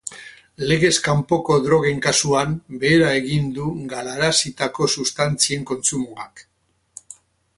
Legez kanpoko drogen kasuan, behera egin du galarazitako substantzien kontsumoak.